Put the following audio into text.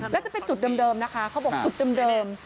แล้วจะเป็นจุดเดิมนะคะเขาบอกจุดเดิม